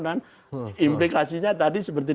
dan implikasinya tadi seperti